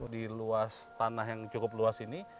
di luas tanah yang cukup luas ini